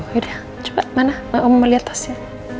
yaudah coba mana om melihat tasnya